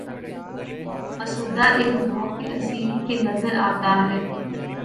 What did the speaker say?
مُژدہ ، اے ذَوقِ اسیری! کہ نظر آتا ہے